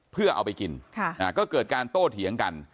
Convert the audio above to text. เพื่อเอาไปกินก็เกิดการโต้เถียงกัน